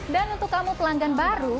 dan untuk kamu pelanggan baru